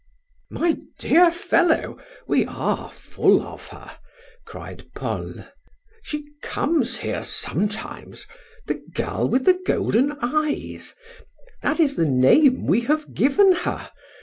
"My dear fellow, we are full of her!" cried Paul. "She comes here sometimes the girl with the golden eyes! That is the name we have given her.